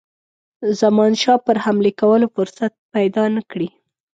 زمانشاه پر حملې کولو فرصت پیدا نه کړي.